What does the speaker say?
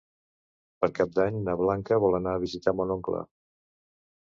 Per Cap d'Any na Blanca vol anar a visitar mon oncle.